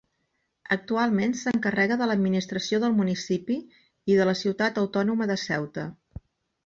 Actualment s'encarrega de l'administració del municipi i de la ciutat autònoma de Ceuta.